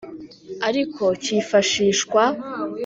Ariko kifashishwa.